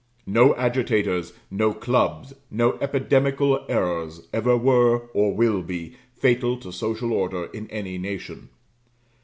No agitators, no clubs, no epidemical errors, ever were, or will be, fatal to social order in any nation.